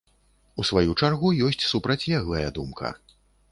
У сваю чаргу, ёсць супрацьлеглая думка.